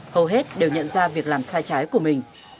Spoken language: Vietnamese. hầu hết đều nhận ra việc làm sai trái của mình